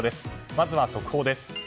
まずは速報です。